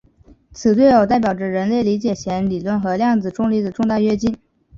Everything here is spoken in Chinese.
此对偶代表着人类理解弦理论和量子重力的重大跃进。